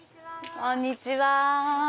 こんにちは。